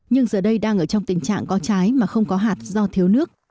nhưng giờ đây đang ở trong tình trạng có trái mà không có hạt do thiếu nước